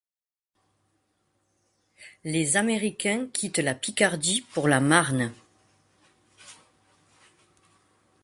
Les américains quittent la Picardie pour la Marne.